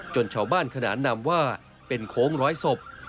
ชาวบ้านขนานนำว่าเป็นโค้งร้อยศพ